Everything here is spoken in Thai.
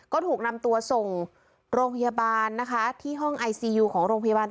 ก็ถูกนำตัวส่งโรงพยาบาลนะคะที่ห้องไอซียูของโรงพยาบาล